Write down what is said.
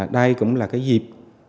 đây cũng là cái dịp